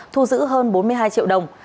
thu giữ hơn bốn mươi hai triệu đồng